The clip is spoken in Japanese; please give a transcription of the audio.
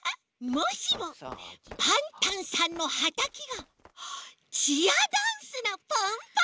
もしもパンタンさんのはたきがチアダンスのポンポンになったら。